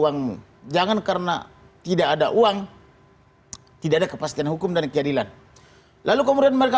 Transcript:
uang jangan karena tidak ada uang tidak ada kepastian hukum dan keadilan lalu kemudian mereka